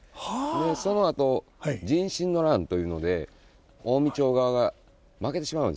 そのあと壬申の乱というので近江朝側が負けてしまうんですね。